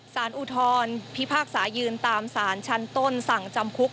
อุทธรพิพากษายืนตามสารชั้นต้นสั่งจำคุก